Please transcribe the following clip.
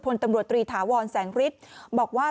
พลตำรวจตรีถาวรแสงฤทธิ์บอกว่า